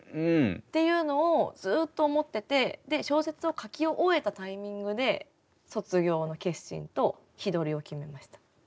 っていうのをずっと思ってて小説を書き終えたタイミングで卒業の決心と日取りを決めました。